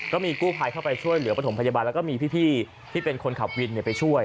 ก็มีกู้ภัยเข้าไปช่วยเหลือประถมพยาบาลแล้วก็มีพี่ที่เป็นคนขับวินไปช่วย